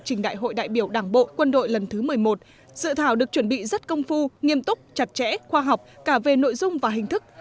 trình đại hội đại biểu đảng bộ quân đội lần thứ một mươi một dự thảo được chuẩn bị rất công phu nghiêm túc chặt chẽ khoa học cả về nội dung và hình thức